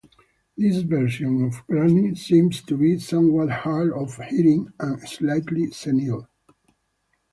This version of Granny seems to be somewhat hard-of-hearing and slightly senile.